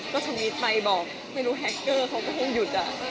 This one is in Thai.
ก็ตรงนี้ไปบอกไม่รู้แฮคเกอร์เขาก็ห้มหยุดอ่ะ